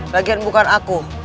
bagian bukan aku